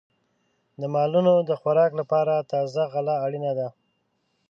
د مالونو د خوراک لپاره تازه غله اړینه ده.